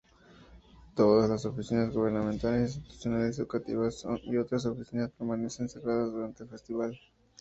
Todas las oficinas gubernamentales, instituciones educativas y otras oficinas permanecen cerradas durante el festival.